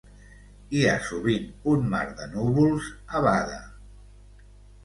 Hi ha sovint un mar de núvols a Bada.